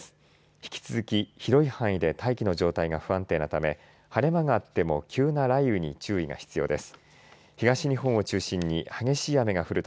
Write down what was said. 引き続き広い範囲で大気の状態が不安定なため晴れ間があっても急な雷雨に注意が必要です。